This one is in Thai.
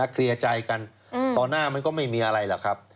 เคลียร์ใจกันต่อหน้ามันก็ไม่มีอะไรหรอกครับ